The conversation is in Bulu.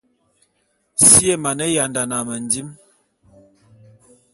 Si é mane yandane a mendim.